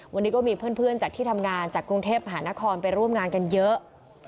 วันนี้ก็มีเพื่อนจากที่ทำงานจากกรุงเทพมหานครไปร่วมงานกันเยอะ